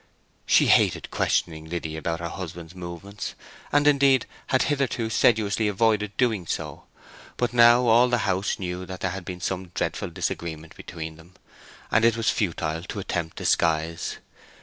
She hated questioning Liddy about her husband's movements, and indeed had hitherto sedulously avoided doing so; but now all the house knew that there had been some dreadful disagreement between them, and it was futile to attempt disguise.